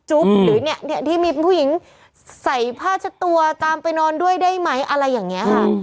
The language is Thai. หรือเนี่ยที่มีผู้หญิงใส่ผ้าเช็ดตัวตามไปนอนด้วยได้ไหมอะไรอย่างนี้ค่ะ